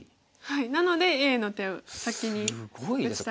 なのでＡの手を先に打ちたくなかった。